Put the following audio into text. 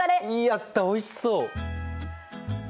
やったおいしそう！